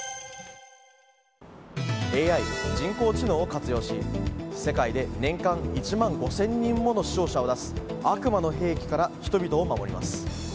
ＡＩ・人工知能を活用し世界で年間１万５０００人もの死傷者を出す悪魔の兵器から人々を守ります。